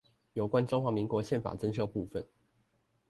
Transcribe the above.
有關中華民國憲法增修部分